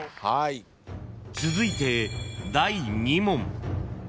［続いて第２問］